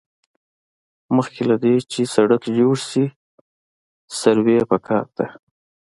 مخکې له دې چې سړک جوړ شي سروې پکار ده